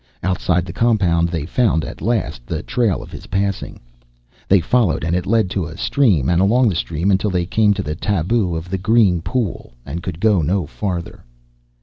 Outside the compound they found, at last, the trail of his passing. They followed and it led to a stream and along the stream until they came to the tabu of the green pool, and could go no farther.